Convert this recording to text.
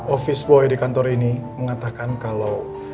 office boy di kantor ini mengatakan kalau